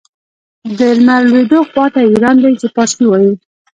د لمر لوېدو خواته یې ایران دی چې پارسي وايي.